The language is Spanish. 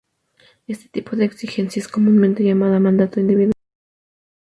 Este tipo de exigencia es comúnmente llamada mandato individual.